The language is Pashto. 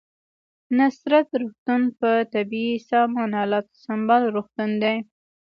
نصرت روغتون په طبي سامان الاتو سمبال روغتون دی